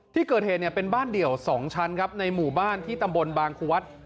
ที่เกิดเหนือเป็นบ้านเดี่ยว๒ชั้นในหมู่บ้านที่ตำบลบางคุวัฒน์